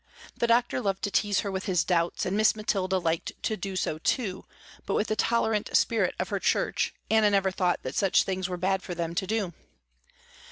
The doctor loved to tease her with his doubts and Miss Mathilda liked to do so too, but with the tolerant spirit of her church, Anna never thought that such things were bad for them to do.